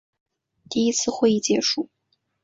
第一次会议结束。